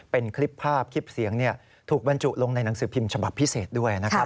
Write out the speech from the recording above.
เป็นคลิปภาพคลิปเสียงถูกบรรจุลงในหนังสือพิมพ์ฉบับพิเศษด้วยนะครับ